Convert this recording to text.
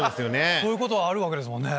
そういうことあるわけですね。